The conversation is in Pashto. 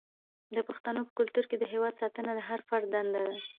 د پښتنو په کلتور کې د هیواد ساتنه د هر فرد دنده ده.